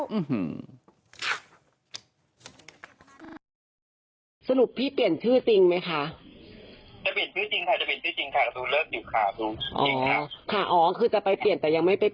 เรารู้ดวงก็ว่าชื่อตอนแรกศาสตร์สื่อ